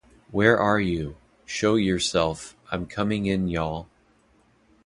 Where are you? Show yourself, I'm coming in, y'all.